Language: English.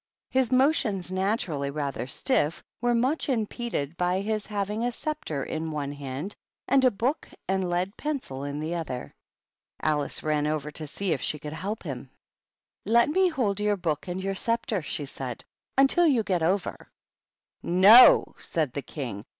His motions, naturally rather stiff*, were much impeded by his having a sceptre in one hand and a book and lead pencil in the other. Alice ran over to see if she could help him. 168 THE BISHOPS. " Let me hold your book and your sceptre," she said, "until you get over." *' No I" said the King.